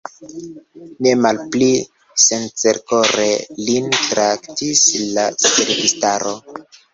Ne malpli sincerkore lin traktis la servistaro.